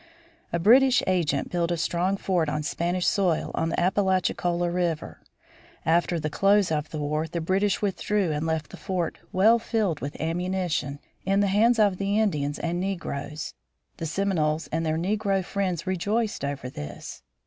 A British agent built a strong fort on Spanish soil on the Appalachicola River. After the close of the war the British withdrew and left the fort, well filled with ammunition, in the hands of the Indians and negroes. The Seminoles and their negro friends rejoiced over this.